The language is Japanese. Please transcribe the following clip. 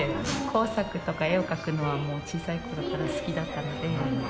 工作とか絵を描くのはもう小さいころから好きだったので。